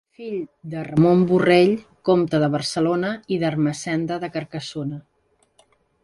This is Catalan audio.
Fill de Ramon Borrell, comte de Barcelona, i d'Ermessenda de Carcassona.